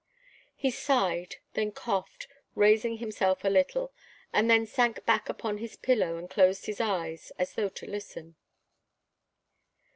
He sighed, then coughed, raising himself a little, and then sank back upon his pillow and closed his eyes, as though to listen.